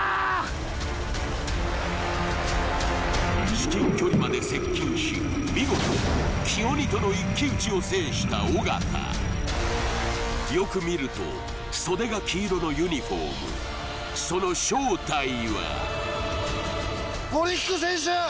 至近距離まで接近し見事黄鬼との一騎打ちを制した尾形よく見ると袖が黄色のユニフォームその正体は森福選手！